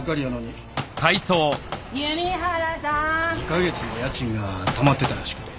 ２カ月も家賃がたまってたらしくて。